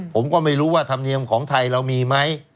ผมก็ไม่รู้ว่าธรรมเนียมของไทยเรามีไหม